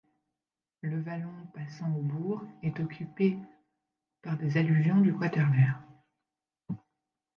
Le vallon passant au bourg est occupée par des alluvions du Quaternaire.